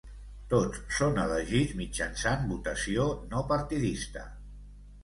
Tots són elegits mitjançant votació no partidista.